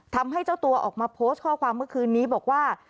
ทำให้เจ้าตัวออกมาโพสต์ข้อความเมื่อคืนนี้บอกว่า